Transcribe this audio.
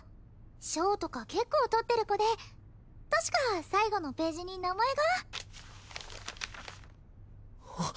賞とか結構とってる子で確か最後のページに名前があっ！